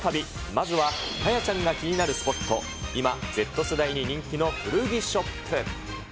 まずは果耶ちゃんが気になるスポット、今、Ｚ世代に人気の古着ショップ。